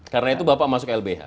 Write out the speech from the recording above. karena itu bapak masuk lbh